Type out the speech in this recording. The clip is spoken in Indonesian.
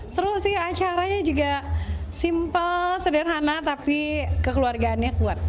terus acaranya juga simple sederhana tapi kekeluargaannya kuat